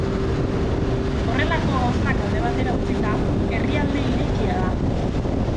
Horrelako gauzak alde batera utzita, herrialde irekia da.